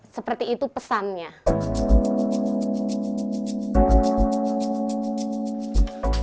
seperti itu pesannya